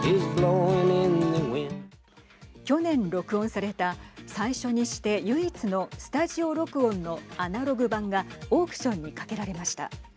去年録音された最初にして唯一のスタジオ録音のアナログ盤がオークションにかけられました。